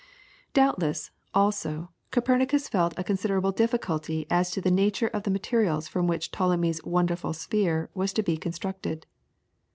Doubtless, also, Copernicus felt a considerable difficulty as to the nature of the materials from which Ptolemy's wonderful sphere was to be constructed.